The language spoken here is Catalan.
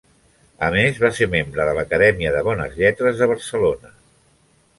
A més, va ser membre de l'Acadèmia de Bones Lletres de Barcelona.